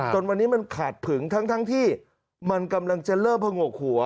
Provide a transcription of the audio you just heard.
จนวันนี้มันขาดผึงทั้งที่มันกำลังจะเริ่มผงกหัว